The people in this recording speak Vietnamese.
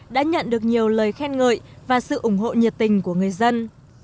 đã nhận được nhiều lời khen ngợi và sự ủng hộ nhiệt tình của người dân